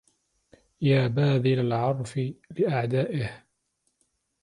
يا باذل العرف لأعدائه